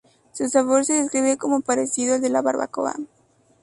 Su sabor se describe como parecido al de la barbacoa.